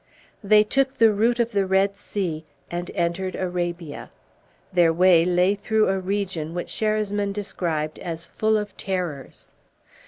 They took the route of the Red Sea, and entered Arabia. Their way lay through a region which Sherasmin described as full of terrors.